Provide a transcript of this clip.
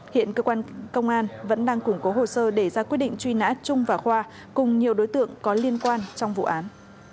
hiện cơ quan công an vẫn đang củng cố hồ sơ để ra quyết định truy nã trung và khoa cùng nhiều đối tượng có liên quan trong vụ án